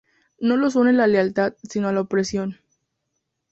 No los une la lealtad sino la opresión.